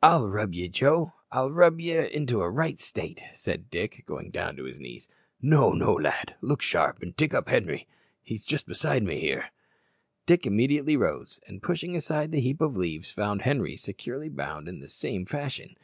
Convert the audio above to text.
"I'll rub ye, Joe; I'll soon rub ye into a right state," said Dick, going down on his knees. "No, no, lad, look sharp and dig up Henri. He's just beside me here." Dick immediately rose, and pushing aside the heap of leaves, found Henri securely bound in the same fashion.